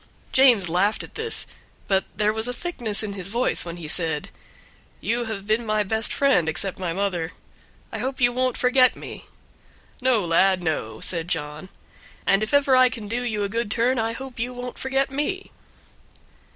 James laughed at this; but there was a thickness in his voice when he said, "You have been my best friend except my mother; I hope you won't forget me." "No, lad, no!" said John, "and if ever I can do you a good turn I hope you won't forget me."